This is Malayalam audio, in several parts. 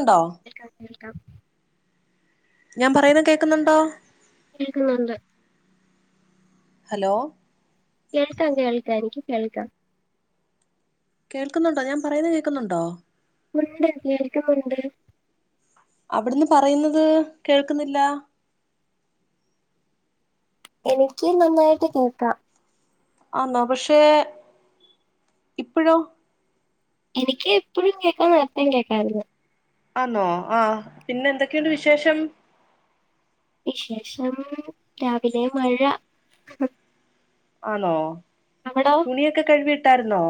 ണ്ടോ ഞാൻ പറയുന്ന കേക്കുന്നുണ്ടോ? കേൾക്കുന്നുണ്ട് ഹലോ കേൾക്കാം കേൾക്കാം എനിക്ക് കേൾക്കാം കേൾക്കുന്നുണ്ടോ ഞാൻ പറയുന്ന കേൾക്കുന്നുണ്ടോ? ഉണ്ട് കേൾക്കുന്നുണ്ട് അവിടുന്ന് പറയുന്നത് കേൾക്കുന്നില്ല എനിക്ക് നന്നായിട്ട് കേക്കാം ആന്നാ പക്ഷെ ഇപ്പഴോ എനിക്ക് ഇപ്പഴും കേക്കാം നേരത്തെയും കേക്കാമായിരുന്നു ആന്നോ ആ പിന്നെന്തൊക്കെയുണ്ട് വിശേഷം വിശേഷം രാവിലെ മഴ ആണോ അവിടോ തുണിയൊക്കെ കഴുവി ഇട്ടായിരുന്നോ?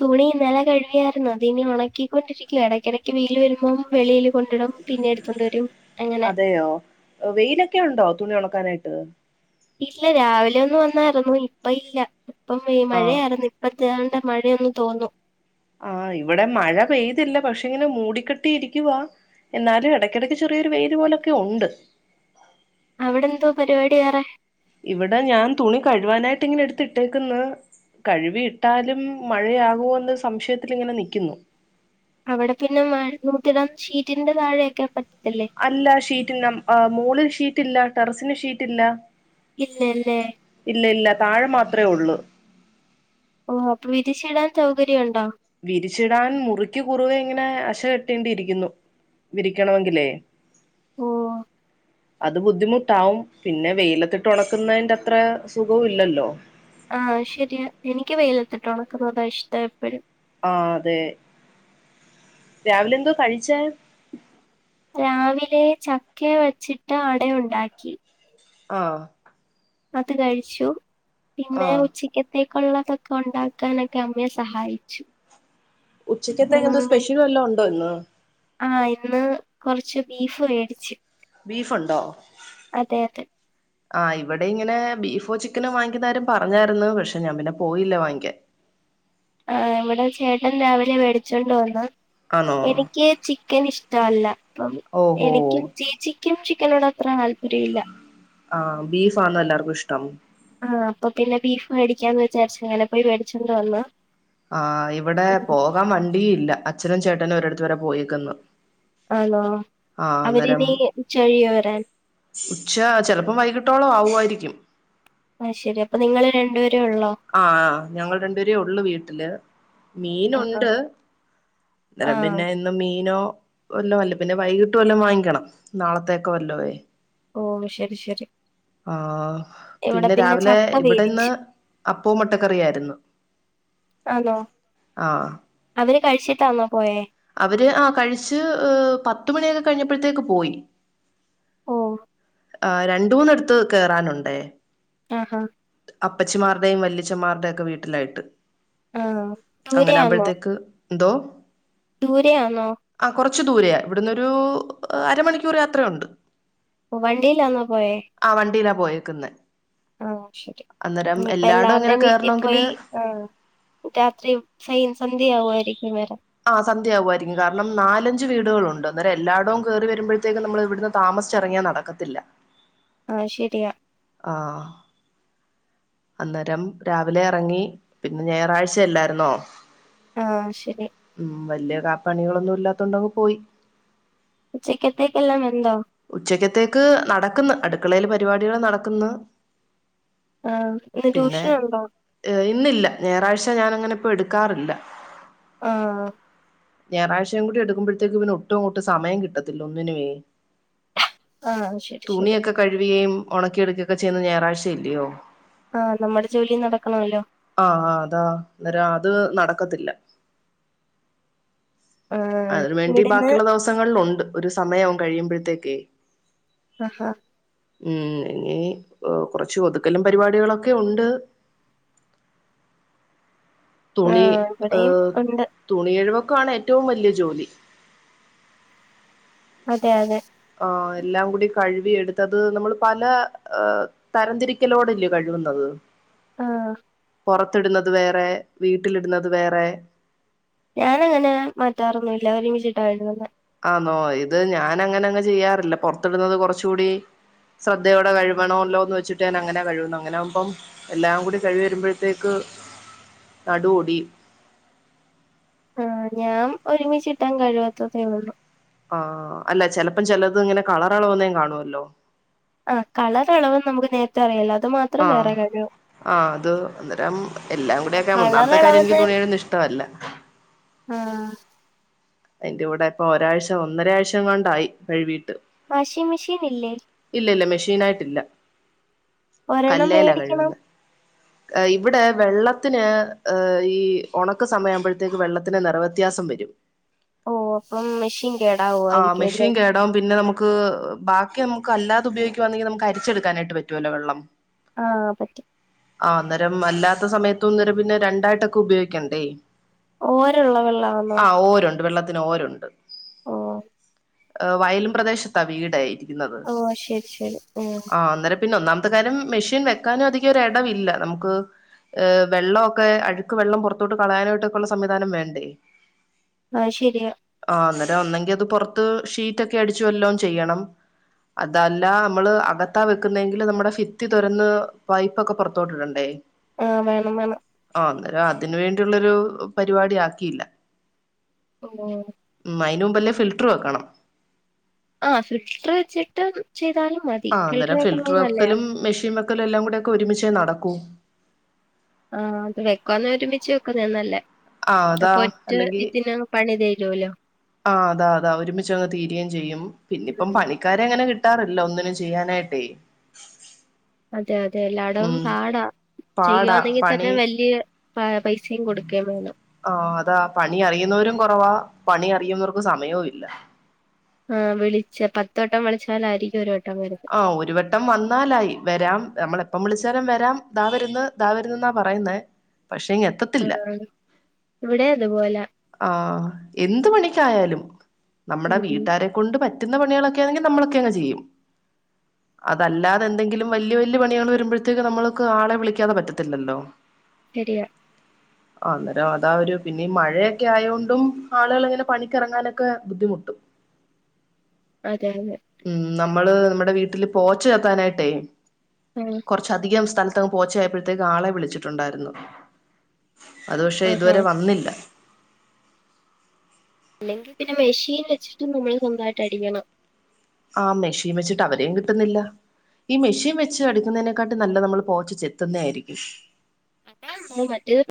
തുണി ഇന്നലെ കഴുവിയായിരുന്നു അതിനി ഉണക്കിക്കൊണ്ടിരിക്കുവാ ഇടയ്ക്കിടക്ക് വെയിൽ വരുമ്പം വെളിയില് കൊണ്ടിടും പിന്നെ എടുത്തോണ്ട് വരും. അങ്ങനെ അതെയോ വെയിലൊക്കെ ഉണ്ടോ തുണി ഉണക്കാനായി ട്ട് ഇല്ല രാവിലെ ഒന്നു വന്നായിരുന്നു ഇപ്പ ഇല്ല ഇപ്പം വെ ആ മഴയായിരുന്നു ഇപ്പം [unintelligible] മഴയൊന്നു തോന്നു ആ ഇവിടെ മഴ പെയ്തില്ല പക്ഷെ ഇങ്ങനെ മൂടിക്കെട്ടി ഇരിക്കുവാ എന്നാലും ഇടക്കിടക്ക് ചെറിയൊരു വെയില് പോലൊക്കെ ഉണ്ട് അവിടെന്തോ പരിപാടി വേറെ ഇവിടെ ഞാൻ തുണി കഴുവാനായിട്ട് ഇങ്ങനെ എടുത്തിട്ടേക്ക്‌ന്ന് കഴുവിയിട്ടാലും മഴയാകോ എന്നൊരു സംശയത്തിലിങ്ങനെ നിക്കുന്നു അവിടെ പിന്നെ [unintelligible] ഷീറ്റിന്റെ താഴെയൊക്കെ പ അല്ല ഷീറ്റിന്റെ മോളിൽ ഷീ റ്റില്ല ടെറസിന് ഷീറ്റില്ല ഇല്ലല്ലേ ഇല്ല ഇല്ല താഴെ മാത്രേ ഉള്ളൂ ഓ അപ്പൊ വിരിച്ചിടാൻ സൗകര്യം ഉണ്ടോ വിരിച്ചിടാൻ മുറിക്ക് കുറുവെ ഇങ്ങനെ അശ് ശ കെട്ടേണ്ടി ഇരിക്കുന്നു വിരിക്കണോങ്കിലേ ഓ അത് ബുദ്ധിമുട്ടാവും പിന്നെ വെയിലത്തിട്ട് ഉണക്കുന്നതിന്റെ അത്ര സുഖവും ഇല്ലല്ലോ ആ ശരിയാ എനിക്ക് വെയിലത്തിട്ട് ഉണക്കുന്നതാ ഇഷ്ടം എപ്പഴും ആ അതെ രാവിലെ ന്തോ കഴിച്ചെ? രാവിലെ ചക്കെ വച്ചിട്ട് അടയുണ്ടാക്കി ആ അത് കഴിച്ചു ആ പിന്നെ ഉച്ചക്കത്തെ ഉള്ളതൊക്കെ ഉണ്ടാക്കാനൊക്കെ അമ്മയെ സഹായിച്ചു ഉച്ചക്കത്തെ എന്തോ ഉം, സ്പെഷ്യൽ വല്ലോ ഉണ്ടോ ഇന്ന് ആ ഇന്ന് കൊറച്ച് ബീഫ് മേടിച് ബീഫുണ്ടോ അതെ ആ ഇവിടെ ഇങ്ങനെ ബീഫോ ചിക് ത്തിന് വാങ്ങിക്കുന്നാരം പറഞ്ഞായ്ര്ന്ന് പക്ഷെ ഞാൻ പിന്നെ പോയില്ല വാങ്ങിക്കാൻ ആ ഇവിടെ ചേട്ടൻ രാവിലെ മേടിച്ചോണ്ട് വന്ന ആണോ എനിക്ക് ചിക്കൻ ഇഷ്ടവല്ല അപ്പം ഓഹോ എനിക്കും ചേച്ച് ക്കും ചിക്കനോട് അത്ര താല്പര്യമില്ല ആഹ ബീഫ് ആന്നോ എല്ലാർക്കും ഇഷ്ടം ആഹ അപ്പൊ പിന്നെ ബീഫ് മേടിക്കാന്ന് വിചാരിച്ച അങ്ങനെ പോയി മേടിച്ചണ്ട് വന്ന ആഹ് ഇവിടെ പോകാൻ വണ്ടി ഇല്ല അച്ച് ച്ഛനും ചേട്ടനും ഒരിടത്തുവരെ പോയേക്കന്ന് ആണോ ആഹ അന്നരം അവരിനി ഉച്ചകഴിയോ വരാൻ ഉച്ച ചെലപ്പം വൈകിട്ടോള ആവു രിക്കും ആഹ ശരി അപ്പ നിങ്ങള് രണ്ടുപേര് ആഹ് ഞങ്ങൾ രണ്ടുപേരേ ഒള്ളു വീട്ടില് ആഹാ മീനുണ്ട് ആഹ് ന്നേരംതന്നെ ഇന്ന് മീനോ വല്ല അല്ല പിന്നെ വൈകിട്ട് വല്ലം വാങ്ങിക്കണം നാളത്തേക്കെ വല്ലോയെ ഓ ശരി ശരി ആഹ ഇവിടെ പിന്നെ രാവിലെ ചക്ക ഇവിടെന്ന് വേവിച്ച് അപ്പോം മുട്ടക്കറിയായിരുന്നു ആണോ ആ [unintelligible] നോ അവര് ആ കഴിച്ച് പത്തുമണി വരെ കഴിഞ്ഞപ്പോഴത്തേക്ക് പോയി ഓ ആ രണ്ട മൂന്നെടുത്ത് കേറാനുണ്ടേ ആ ഹാ അപ്പച്ചിമാരുടെയും വല്ലിച്ചന്മാരുടെ ഒക്കെ വീട്ടിലായിട്ട് ആഹ് അങ്ങനൊകുമ്പോഴത്തേക്ക് ദോ ദൂരെ ആന്നോ കുറച്ചു ദൂരയാ ഇവിടുന്നൊരു അരമണിക്കൂർ യാത്രയുണ്ട് ഓ വണ്ടിയിലാന്നാ പോയേ പോയക്കുന്ന ആ ഇപ്പ എല്ലാരുടെ ഇങ്ങനെ വീട്ടിൽ കേറണമെങ്കില് പോയി ആ രാത്രി സ സന്ധ്യയാവുമായിരി ഇവരേം ആ സന്ധ്യകുവാരികും കാരണം നാലഞ്ചു വീടുകളുണ്ട് അന്നരം എല്ലായിടവും കയറി വരുമ്പോഴത്തേക്കും നമ്മൾ ഇവിടുന്ന് താമസിച്ചിറങ്ങിയാ നടക്കത്തില്ല ആയ് ശരിയാ ആഹ് അന്നേരം രാവിലെ എറങ്ങി പിന്നെ ഞായറാഴ്ചല്ലായിരുന്നോ ആ ശരി ഉം വല്ല്യ കാപ്പണികളൊന്നും ഇല്ലാത്തോണ്ടങ്ങു പോയി ഉച്ചക്കത്തേക്കെല്ലാം വെന്തോ ഉച്ചക്കത്തേക്ക് നടക്കുന്ന് അട് ക്കളെൽ പരിപാടികൾ നടക്കുന്ന് ആഹ് ഇന്ന് പിന്നെ ട്യൂഷനുണ്ടോ ഏ ഇന്നില്ല ഞായറാഴ്ച ഞൻ ങ്ങനെ ഇപ്പോ എടുക്കാറില്ല ആഹ ഞായറാഴ്ചയും കൂടി എടുക്കുമ്പോഴത്തേക്ക് പിന്നെ ഒട്ടും ഇങ്ങോട്ട് സമയം കിട്ടത്തില്ല ഒന്നിനുവേ ആഹ് ശരി ശരി തുണിയൊക്കെ കഴുവിയേം ഒണക്കിടുക്കയൊക്കെ ചെയ്യുന്ന ഞായറാഴ്ചയല്ലിയോ ആഹ് നമ്മുടെ ജോലി നടക്കണമല്ലോ ആ അതാ അന്നേരം അത് നട ക്കത്തില്ല ആഹ് അതിന് വേണ്ടി ഇവിടുന്ന് ബാക്കിയുള്ള ദിവസങ്ങളിലുണ്ട് ഒരു സമ കഴിയുമ്പഴത്തേക്കെ ആഹ മ് ഇനി കൊറച്ച് ഒതുക്കല്ലും പരിപാടികളൊക്കെ ഒണ്ട് തുണി ആഹ് [unintelligible] ഇവിടെയും ഉണ്ട് തുണിയരുവക്കാണ് എ ഏറ്റവും വലിയ ജോലി അതെ അതെ ആ എല്ലാം കൂടി കഴുകിയെടുത്തത് നമ്മൾ പല തരംതിരിക്കലോടല്ലെ കഴുകുന്നത് ആഹ് പൊറത്തിടുന്നത് വേറെ വീട്ടിലിടുന്നത് വേറെ ഞാൻ അങ്ങനെ മാറ്റാറൊന്നുല്ല ഒരുമിച്ച് ഇട്ടാ കഴുകുന്നെ ആന്നോ ഇത് ഞാൻ അങ്ങനെ അങ്ങനെങ്ങു ചെയ്യാറില്ല പൊറത്തിടുന്നത് കുറച്ച് കൂടി ശ്രദ്ധയോടെ കഴിവണല്ലോന്ന് വെച്ചിട്ട് ഞാൻ അങ്ങനെ കഴിവുനെ അങ്ങനാവുമ്പം എല്ലാം കൂടി കഴിക്കി വരുമ്പോഴത്തേക്ക് നടു ഓടിയും ആ ഞാൻ ഒരുമിച്ചിട്ടങ്ങു കഴിവത്താതെ ഉള്ളൂ ആ അല്ല ചെലപ്പം ചെലത് ഇങ്ങനെ കളർ ഇളകുന്നതും കാണുവല്ലോ ആ കളർ ഇളക്കുന്നെ നമുക്ക് നേരത്തെ അറിയാലോ അത് മാത്രം ആ വേറെ കഴിവും ആ അത് അന്നേരം എല്ലാം കൂടി ഒക്കെ കളർ ഒന്നാമത്തെ കാര്യം എനിക്ക് അളവെന്ന് തുണികഴുകുന്നത് എനിക്കിഷ്ടമല്ല ആഹ് അതിന്റെ കൂടെ ഇപ്പൊ ഒരാഴ്ച ഒന്നര ആഴ്ച എങ്ങാണ്ടായി കഴുവി വാഷിംഗ് മിഷീൻ ഇല്ലേ? ഇല്ല മെഷീനായിട്ടില്ല ഒരെണ്ണം കല്ലെല മേടിക്കണം കഴികുന്നേ ആഹ് ഇവിടെ വെള്ളത്തിന് ഏഹ് ഈ ഉണക്ക് സമയയാവുമ്പോഴത്തേക്ക് വെള്ളത്തിന് നിറവ്യത്യാസം വരും ഓ അപ്പം മെഷീൻ ആ കേടാവുമായിരിക്കും അല്ലേ മെഷീൻ കേടാവും പിന്നെ നമുക്ക് ബ ഒക്കെ നമുക്ക് അല്ലാതെ ഉപയോഗിക്കുവാന്നെങ്കി നമുക്ക് അരിച്ചെടുക്കുവാനായിട്ട് പറ്റുവല്ലോ വെള്ളം. ആ പറ്റി രം അല്ലാത്ത സമയത്ത ഒന്നര പിന്നെ രണ്ടായിട്ടൊക്കെ ഉപയോഗിക്കണ്ടേ ഓരള്ളവെള്ളാന്നോ അതിനോരുണ്ട് ഹ വയലും പ്രദേശത്താ വീടായിരി ഓഹ് ശരി ശരി ഹേ അന്നേരം പിന്നെ ഒന്നാമത്തെ കാര്യം മെഷീൻ വെക്കാനും അധികം ഒരു ഇടവില്ല നമുക്ക് ഏഹ് വെള്ളൊക്കെ അഴുക്ക് വെള്ളം പുറത്തോട്ട് കളയാനായിട്ടൊക്കെയള്ള സംവിധാനം വേണ്ടേ ആ ശരിയാ ടാ ഒന്നെങ്കിൽ എ അത് പുറത്ത് ഷീറ്റൊക്കെ അടിച്ചു വല്ലോം ചെയ്യണം അതല്ല നമ്മള് അകത്താ വെക്കുന്നെങ്കിൽ നമ്മുടെ ഫിത്തി തുരന്ന് പൈപ്പൊക്കെ പുറത്തോട്ടിടണ്ടേ ആഹ വേണം വേണം അതിന് വേണ്ടിയുള്ളൊരു പരിപാടി ആക്കിയില്ല ന്താ ഫിൽറ്റർ വെക്കണം ആ ഫിൽട്ടർ വെച്ചിട്ട് ചെയ് ആ അന്നേരം ഫിൽറ്റർ വെക്കലും മെഷീൻ വെക്ക വെക്കൽ എല്ലാം കൂടെ ഒക്കെ ഒരുമിഛെ നടക്കൂ ആ അത് വെക്കുവാന്നേ ഒരുമിച്ച് വെക്കുന്നെയ നല്ലെ ആഹ് അതാ അപ്പോ ഒറ്റ അല്ലെങ്കി ഇതിനാണോ പണിതേ ലോ ലോ ആ അതാ അതാ ഒരുമിച്ച അങ്ങ് തീരുകയും ചെയ്യും പിന്നെ ഇപ്പം ഉം പണിക്കാര എങ്ങനെ കി കിട്ടാറില്ല ഒന്നിനും ചെയ്യാനായിട്ടേ അതെ അതെ എല്ലായിടവും ഉം പാടാ പാടാ ചെയ്യുന്നെങ്കിൽ തന്നെ പണി വലിയ പ പൈസയും കൊടുക്കയും വേണം ആ അതാ പണി അറിയുന്നവരും കുറവാ പണി അറിയുന്നവർക്ക് സമയവും ഇല്ല ആ വിളിച്ച പത്ത്‌വട്ടം വിളിച്ചാലായിരിക്കും ഒരുവട്ടം ആ ഒരു വട്ടം വന്നാലായി വരാം നമ്മളെ എപ്പം വിളച്ച ചരം [unintelligible] വരാം ദാവരുന്ന് ദാവരുന്നെന്നാ പറയുന്നേ പക്ഷെ ഇങ്ങ് ആ എത്തത്തില്ല ഇവിടെ അതുപോലാ ആ എന്ത് പണിക്കായാലും നമ്മുടെ ഉം വീട്ടാരെ കൊണ്ട് പറ്റ പറ്റുന്ന പണികളൊക്കെ ആണെങ്കിൽ നമ്മളൊക്കെ അങ് ചെയ്യും അതല്ലാതെ എന്തെങ്കിലും വല്യയ വല്യയ പണികൾ വരുമ്പോഴത്തേക്ക് നമ്മൾക്ക് ആളെ വിളിക്കാതെ പറ്റത്തില്ലല്ലോ. ശരിയാ ആ അന്നേരം അതാ ഒരു പിന്നെഈ മഴയൊക്കെ ആയൊണ്ടും ആളുക ഇങ്ങനെ പണിക്കിറങ്ങാനൊക്കെ ബുദ്ധിമുട്ടും അതെ അതെ ഉം നമ്മള് നമ്മ നമ്മടെ വീട്ടില് പോച്ച് [unintelligible] ചക്കാനായിട്ടേ ആ കൊറ്ച്ചധികം സ്ഥലം ങ് പോച്ചയപ്പോഴത്തേക്ക് ആളെ വിളിച്ചിട്ടുണ്ടായിരുന്നു അത് പക്ഷെ ആഹാ ഇതുവരെ വന്നില്ല അല്ലെങ്കിൽ പിന്നെ മെഷീൻ വെച്ചിട്ട് നമ്മള് സ്വന്തായിട്ട് അടിയണം ആ മെഷീൻ വെച്ചിട്ട് അവരേയും കിട്ടുന്നില്ല ഈ മിഷീൻ വെച്ച് അടുക്കുന്നതിനെക്കാട്ടും നല്ല നമ്മൾ പോച്ച് ചെത്തുന്ന ആയിരിക്കും മു [inaudible] മറ്റ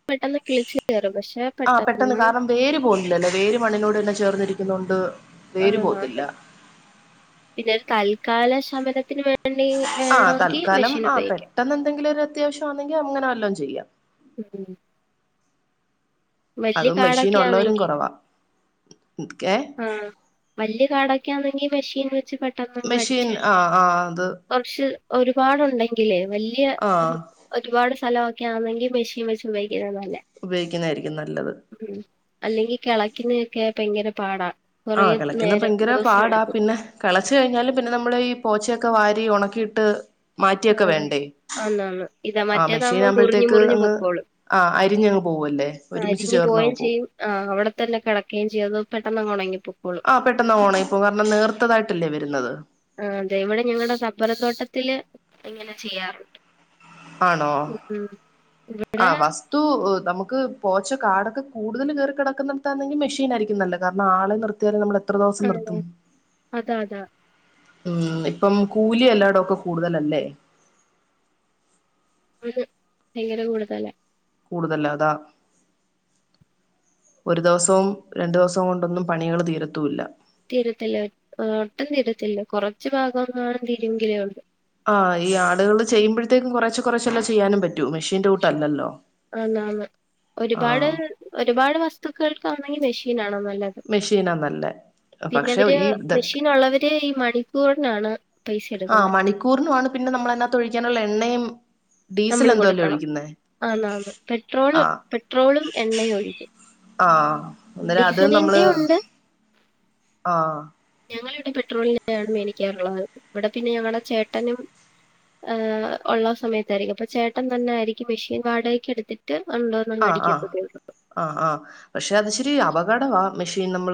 ആ പെട്ടെന്ന് കാരണം വേര് ഒരു പോരുന്നില്ലല്ലോ വേര് മണ്ണിനോട് ചേർന്നരിക്കുന്നോണ്ട് ആഹ് അതെ പിന്നെ ഒരു തല്ല് കാല ശമനത്തിന് വേണ്ടി ആ വേണമെങ്കിൽ തൽക്കാലം മെഷീൻ ആ ഉപയോഗിക്കാം പെട്ടെന്ന് എന്തെങ്കിലും ഒരു അത്യാവശ്യംമാണെങ്കിൽ അങ്ങനെ വല്ലോ ചെയ്യാം ഉം വല്യ അതും മെഷീൻ ഉള്ളവരും കുറവാ ക്കെ ആ വല്ല്യ കാടക്കെയാ നിമിഷീൻ ച് മെഷീൻ പെട്ടന്നങ്ങടിച്ച് ആഹ് ആഹ് അത് കൊർച്ച് ഒരുപാടുണ്ടെങ്കിലേ വല്ല്യ രു ആഹ് ഒരുപാട് സ്ഥല ക്കാണെങ്കി മിഷീൻ വെച്ച് വെയ് എവല ഉപയോഗിക്കുന്നതായിരിക്കും നല്ലത് ഉം അല്ലെങ്കി കളക്കിന് ക്കെ ഭയങ്കരം പാട ആഹ് കളക്ക്ന്നെ ഭയങ്കര പാടാ പിന്നെ കളച്ച് കഴിഞ്ഞാല് പിന്നെ നമ്മള് പോച്ച ഒക്കെ വാരി ഉണക്കിയിട്ട് ആ മാറ്റിയൊക്കെ വേണ്ടേ അന്നന്ന് ഇതാ ആഹ് മെഷീൻ മറ്റേതാകുമ്പോം മുറിഞ്ഞ് ആകുമ്പോഴത്തേക്ക് മുറിഞ്ഞ് അങ്ങ് പൊക്കോളും ആഹ് അരിഞ്ഞങ്ങ് പോവല്ലേ ഒരുമിച്ച് അരിഞ്ഞു പോയും ചേർന്നങ്ങ് പോവും ചെയ്യും ആ അവിടെ തന്നെ കിടക്കുകയും ചെയ്യും അത പെട്ടന്നങ്ങുണങ്ങി ആ പെട്ടെന്ന് ഓണങ്ങി ഇപ്പോ കാരണം നേർത്തതായിട്ടല്ലേ വരുന്നത് ആ അതെ ഇവിടെ ഞങ്ങളടെ റബ്ബറത്തോട്ടത്തില് ഇങ്ങനെ ചെയ്യാറുണ്ട് ആണോ ഉം ആ ഇവിടെ വസ്തൂ നമുക്ക് ക്ക് പോച്ച്ക്കാടൊക്കെ കൂടുതൽ കേറി കിടക്കുന്നിടത്താണെങ്കിൽ മെഷീനായിരിക്കും നല്ലത് കാരണം ആളെ നിർത്തിയാൽ നമ്മളെ ആഹ് ലെ അതാ അതാ ഉം ഇപ്പം കൂലി എല്ലാടൊക്കെ കൂടുതലല്ലേ ആഹ് ഭയങ്കര കൂടുതലാ കൂടുതല അതാ ഒരു ദിവസവും രണ്ടു ദിവസവും കൊണ്ടൊന്നും പണികൾ തീരത്തൂല്ല തിരത്തില്ല ആ ഒട്ടും തിരത്തില്ല കുറച്ച് ഭാഗങ്ങാനും തീരൊങ്കിലേ ഒള്ളു ആ ഈ ആളുകൾ ചെയ്യുമ്പഴേത്തേക്കിനും കുറച്ച് കുറച്ചല്ലേ ചെയ്യാനും പറ്റൂ മെഷീന്റെ കൂട്ടല്ലല്ലോ അന്നാന്ന് ഒരുപാട് ആഹ് ഒരുപാട് വസ്തുക്കൾ ക്കാണെങ്കി മെഷീൻ ആണന്ന ല്ലത് മെഷീനാ നല്ലേ പക്ഷെ പിന്നവര് ഈ ഇത മെഷീനുള്ളവര് മണിക്കൂ നാണ് ആ മണിക്കൂറിനുആണ് പിന്നെ നമ്മ ളയ്നകത്തൊയ്ക്കാനുള്ള എണ്ണിം നമ്മൾ കൊടുക്കണം അന്നാന്ന് പെട്രോള് ആഹ് പെട്രോളും എണ്ണയും ഒഴി ആഹ് അന്നേരം അത് നമ്മള് ഡീസലിന്റെണ്ട് ആഹ് ഞങ്ങ പെട്രോളിനാണ് മേടിക്കാറുള്ളത് ഇവിടെ പിന്നെ ഞങ്ങളുടെ ചേട്ടനും ആ ഒള്ള സമയത്ത് [unintelligible] ചേട്ടൻ തന്നൊയിരിക്കും മെഷീൻ വാടകക്കെടുത്തിട്ട് ആ ആ ആ ആ പക്ഷെ അത് ശരി അപകടവാ മെഷീൻ നമ്മൾ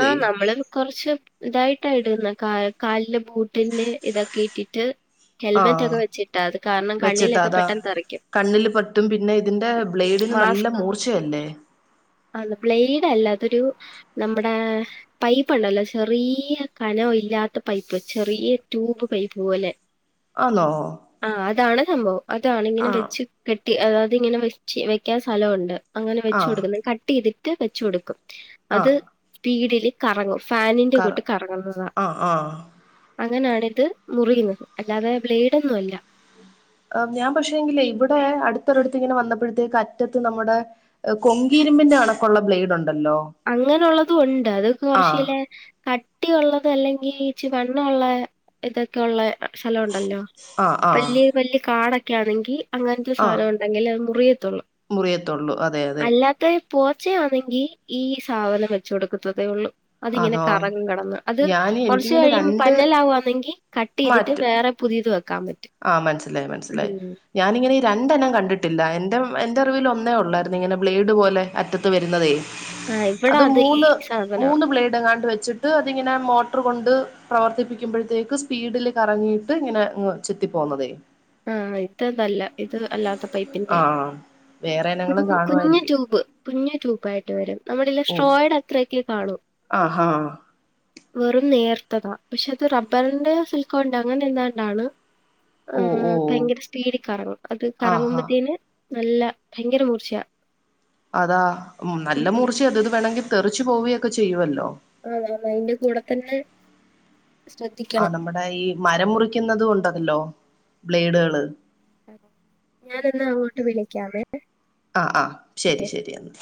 ആഹ് നമ്മള് കൊറച്ച് ഇതായിട്ട ഇടുന്നെ ക കാലിന്റെ ബൂട്ടിന്റെ ഇതൊക്കെ ഇട്ടിട്ട് ആഹ് ഹെൽമെറ്റൊക്കെ വെച്ചിട്ടാ. അത് കാരണം വെച്ചിട്ടാ കണ്ണിലൊക്കെ അതാ പെട്ടെന്ന് തെറിക്കും. കണ്ണില് പറ്റും പിന്നെ ഇതിന്റെ ബ്ലേഡിന് നല്ല മൂർച്ചയല്ലേ ആന്ന് ബ്ലേഡ് അല്ല അതൊരു നമ്മുടെ പൈപ്പുണ്ടല്ലോ ചെറിയ കനവില്ലാത്ത പൈപ്പ് ചെറിയ ട്യൂബ് പൈപ്പ് പോലെ ആന്നോ ആ അതാണ് സംഭവം അതാണ്‌ ഇങ്ങനെ ആഹ് വെച്ച് കെട്ടി അത് അതിങ്ങനെ വെച്ച് വെയ്ക്കാൻ സ്ഥലമുണ്ട് അങ്ങനെ വെച്ച് ആഹ് കൊടുക്കുന്നെ എന്നിട്ട് വെച്ച് കൊടുക്കും അത് ആഹ് പീടി കറങ്ങും ഫാനിന്റെ കറ കൂട്ട് കറങ്ങുന്നതാ ആഹ് ആഹ് അങ്ങനാണിത് മുറിയുന്നത് അല്ലാതെ ബ്ലേഡൊന്നും അല്ല ആഞാൻ പക്ഷേ എങ്കിലേ ഇവിടെ അടുത്ത് ഒരോട് ത് ഇങ്ങനെ വന്നപ്പോഴത്തേക്ക് അറ്റത്ത് നമ്മുടെ കൊങ്കിരുമ്പിന്റെ കണക്കുള്ള ബ്ലേഡ് ഉണ്ട് അങ്ങനെുള്ളതും ഉണ്ട് അത് ആഹ് കുറച്ചില്ല കട്ടിയുള്ള അ അല്ലെങ്കിൽ ഇച്ചി വണ്ണ ഉള്ള ഇതൊക്കെയ ഉള്ള സ്ഥലമുണ്ടല്ലോ ആഹ് ആഹ് വലിയ വലിയ കാട് ഓകെ ഒക്കെ ആണെങ്കിൽ അങ്ങനത്തെ ആഹ് സാധനം ഉണ്ടെങ്കിൽ അത് മുറിയത്തുള്ളൂ മുറിയത്തുള്ളൂ അതെ അതെ അല്ലാത്ത പോച്ചേ ആണെങ്കി ഈ സാധനം വെച്ച കൊടുക്കത്തതേ ഉള്ളൂ അതിങ്ങനെ ആന്നോ കറങ്ങും കെടന്ന് അത് ഞാന് കുറച്ച് എനിക്കിങ്ങനെ കഴിയും രണ്ട് പന്നലാവാന്നെങ്കി കട്ട് ചെയ്തിട്ട് വേറെ പുതിയത് വെക്ക ആ മനസ്സിലായി മനസ്സിലായി ഞാൻ ഇങ്ങനെ രണ്ടനം കണ്ടിട്ടില്ല എൻ്റെ എൻ്റെ അറിവിൽ ഒന്നേ ഉള്ളായിരുന്നു ഇങ്ങനെ ബ്ലേഡ് പോലെ അറ്റത്ത് വരുന്നതേ ആഹ് ഇവിടെ അത് ഈ മൂന്ന് സാധനവാ. മൂന്ന് ബ്ലേഡ് എങ്ങാണ്ട് വെച്ചിട്ട് അതിങ്ങനെ മോട്ടർ കൊണ്ട് പ്രവർത്തിപ്പിക്കുമ്പോഴത്തേക്ക് സ്പീഡിൽ കറങ്ങിയിട്ട് ഇങ്ങനെ അങ്ങ് ചെത്തി പോന്നതേ ആ ഇതതല്ല ഇത് അല്ലാതെ പൈപ്പിന്റെ ആഹ് വേറെ കു ഇനങ്ങളും കുഞ് കാണുമായിരിക്കും ട്യൂബ് കുഞ്ഞു ട്യൂബ് ആയിട്ട് വെരും നമ്മുടെ ഓ സ്ട്രോയിഡ് അത്രൊക്ക് കാണൂ ആഹാ വെറും നേർത്തതാ പക്ഷെ അത് റബ്ബറിന്റെ സിൽക്കോ ഉണ്ടോ അങ്ങനെ എന്താണ്ടാണ് ഓ ആ ഓ ഭയങ്കര സ്പീഡിൽ കറങ്ങും അത് ആഹാ കറങ്ങുമ്പോത്തേന് നല്ല ഭയങ്കര മൂർച്ചയ അതാ ഉം നല്ല മൂറിച്ചയ ഇത് വേണെങ്കിൽ തെറിച്ചു പോവയൊക്കെ ചെയ്യുവല്ലോ അതാണ് അതിന്റെ കൂടെ തന്നെ ആ ശ്രദ്ധിക്കണം നമ്മുടെ ഈ മരം മുറിക്കുന്നതും ഒണ്ടല്ലോ ഉം ബ്ലേഡുകള് ക്കാമെ ആ ആ ശെരി ശെരി എന്ന